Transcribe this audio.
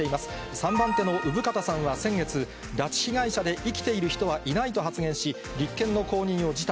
３番手の生方さんは先月、拉致被害者で生きている人はいないと発言し、立憲の公認を辞退。